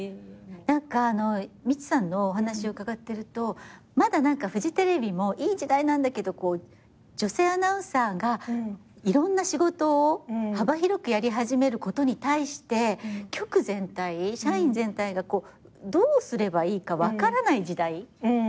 何か美智さんのお話伺ってるとまだフジテレビもいい時代なんだけど女性アナウンサーがいろんな仕事を幅広くやり始めることに対して局全体社員全体がどうすればいいか分からない時代。